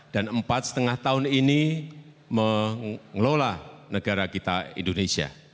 dan empat lima tahun ini mengelola negara kita indonesia